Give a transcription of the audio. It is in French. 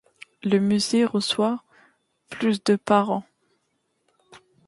Le musée reçoit plus de par an.